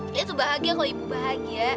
dia tuh bahagia kalau ibu bahagia